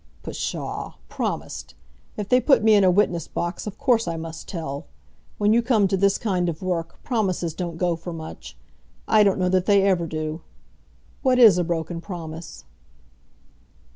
"Psha; promised! If they put me in a witness box of course I must tell. When you come to this kind of work, promises don't go for much. I don't know that they ever do. What is a broken promise?"